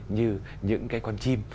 như những cái con chim